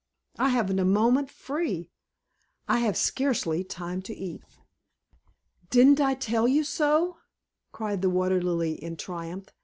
I haven't a moment free. I have scarcely time to eat." "Didn't I tell you so?" cried the Water Lily in triumph.